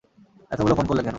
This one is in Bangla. এতোগুলো ফোন করলে কেন?